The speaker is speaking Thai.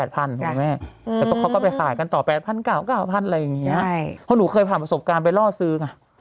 เพราะหนูเคยผ่านประสบการณ์ไปล่อซื้อไง